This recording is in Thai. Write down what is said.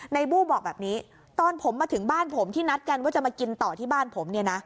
บู้บอกแบบนี้ตอนผมมาถึงบ้านผมที่นัดกันว่าจะมากินต่อที่บ้านผมเนี่ยนะ